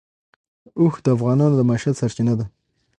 اوښ د افغانانو د معیشت سرچینه ده.